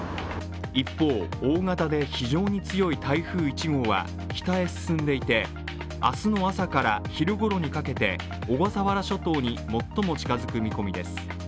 一方、大型で非常に強い台風１号は北に進んでいて明日の朝から昼ごろにかけて小笠原諸島に最も近づく見込みです。